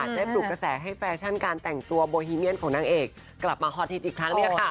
ปลุกกระแสให้แฟชั่นการแต่งตัวโบฮีเมียนของนางเอกกลับมาฮอตฮิตอีกครั้ง